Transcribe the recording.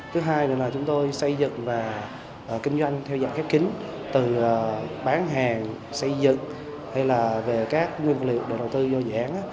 thứ hai là chúng tôi xây dựng và kinh doanh theo dạng khép kính từ bán hàng xây dựng hay là về các nguyên liệu để đầu tư vô giãn